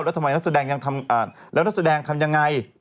แล้วทำไมนักแสดงยังทำอ่านแล้วนักแสดงทำยังไง